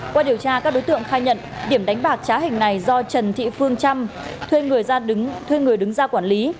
qua điều tra các đối tượng khai nhận điểm đánh bạc trá hình này do trần thị phương trâm thuê người đứng ra quản lý